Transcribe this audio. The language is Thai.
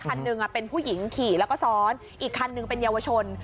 คันหนึ่งเป็นผู้หญิงขี่แล้วก็ซ้อนอีกคันหนึ่งเป็นเยาวชน